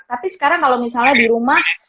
tapi sekarang kalau misalnya di rumah